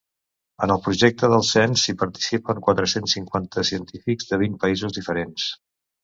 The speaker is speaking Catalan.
En el projecte del cens hi participen quatre-cents cinquanta científics de vint països diferents.